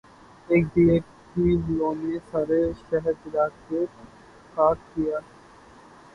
ایک دیے کی لو نے سارا شہر جلا کر خاک کیا